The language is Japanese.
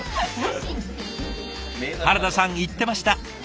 原田さん言ってました。